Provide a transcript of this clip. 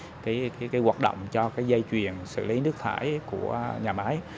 để về cái và tạo ra cái hoạt động cho cái dây chuyền xử lý nước thải của nhà máy